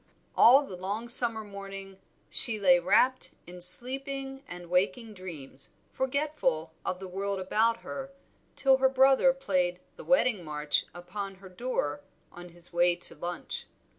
All the long summer morning she lay wrapt in sleeping and waking dreams, forgetful of the world about her, till her brother played the Wedding March upon her door on his way to lunch.